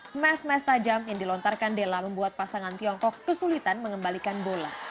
smash smash tajam yang dilontarkan della membuat pasangan tiongkok kesulitan mengembalikan bola